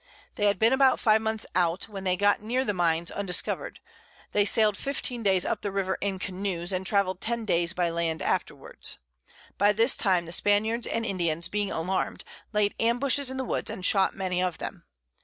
They had been about 5 Months out, when they got near the Mines undiscover'd; they sail'd 15 Days up the River in Canoes, and travel'd 10 Days by Land afterwards. By this time the Spaniards and Indians being alarm'd, laid Ambushes in the Woods, and shot many of them.